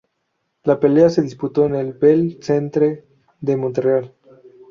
La pelea se disputó en el Bell Centre de Montreal.